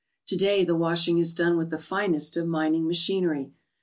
Today the washing is done with the finest of mining machinery.